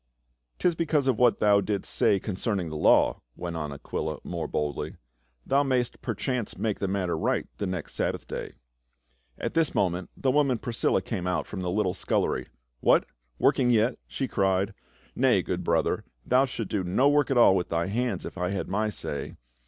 " 'Tis because of what thou didst say concerning the law," went on Aquila more boldly. " Thou mayst perchance make the matter right the next Sab bath day." At this moment the woman Priscilla came out from the little scullery. "What, working yet?" she cried. " Nay, good brother, thou shouldst do no work at all THE TENT MAKER. 343 with thy hands, if I had my say.